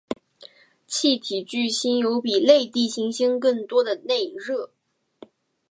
气体巨星有比类地行星更多的内热。